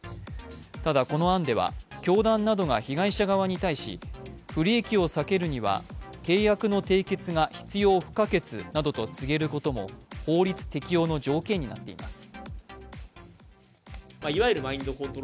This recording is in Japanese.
ただ、この案では教団などが被害者側に対し不利益を避けるには、契約の締結が必要不可欠などと告げることも法律適用の条件になっています。